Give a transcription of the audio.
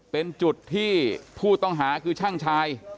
เป็นจุดที่ผู้ต้องหาคือช่างชาย